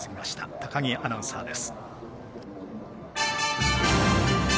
高木アナウンサーです。